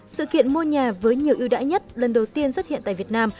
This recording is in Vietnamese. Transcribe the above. sự kiện mua nhà với nhiều ưu đãi nhất lần đầu tiên xuất hiện tại việt nam